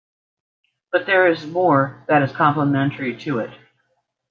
But there is more that is complementary to it.